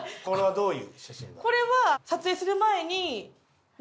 どういう？